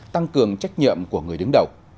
tăng cường trách nhiệm của người đứng đầu